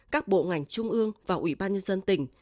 các bộ ngành trung ương và ủy ban nhân dân tỉnh